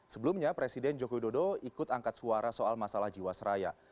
sebelumnya presiden joko widodo ikut angkat suara soal masalah jiwasraya